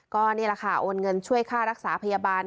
ก็นี่แหละค่ะโอนเงินช่วยค่ารักษาพยาบาล